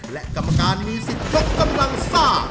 และกรรมการมีสิทธิ์ยกกำลังซ่า